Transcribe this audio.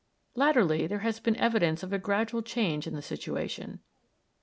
Latterly, there has been evidence of a gradual change in the situation.